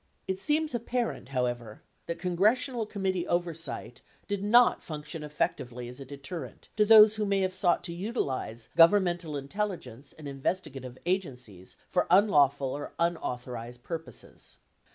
It seems apparent, however, that congressional committee oversight did not function effectively as a deterrent to those who may have sought to utilize governmental intelligence and in vestigative agencies for unlawful or unauthorized purposes.